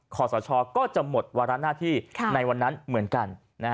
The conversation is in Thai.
ขอสชก็จะหมดวาระหน้าที่ในวันนั้นเหมือนกัน